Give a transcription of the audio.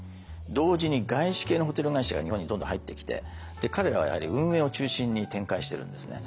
同時に外資系のホテル会社が日本にどんどん入ってきて彼らはやはり運営を中心に展開しているんですね。